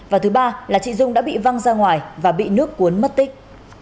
và thứ ba là chị dung đã bị văng ra ngoài và bị nước cuốn mất tích